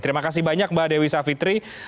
terima kasih banyak mbak dewi savitri